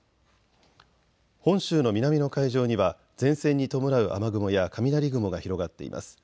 本州の南の海上には前線に伴う雨雲や雷雲が広がっています。